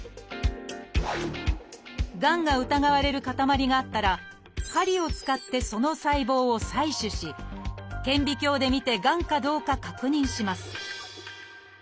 がんが疑われる塊があったら針を使ってその細胞を採取し顕微鏡でみてがんかどうか確認します